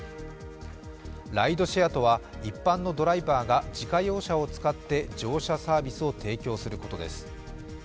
ライドシェアとは一般のドライバーが自家用車を使って、乗車サービスを提供することです。